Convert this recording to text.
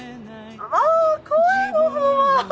まあ声の方は。